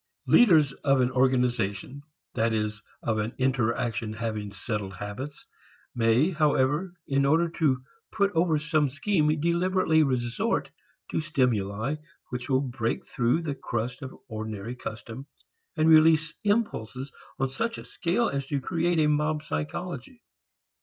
Leaders of an organization, that is of an interaction having settled habits, may, however, in order to put over some schemes deliberately resort to stimuli which will break through the crust of ordinary custom and release impulses on such a scale as to create a mob psychology.